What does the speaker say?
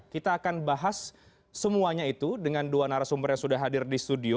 kita akan bahas semuanya itu dengan dua narasumber yang sudah hadir di studio